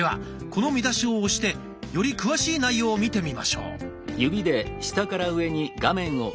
この見出しを押してより詳しい内容を見てみましょう。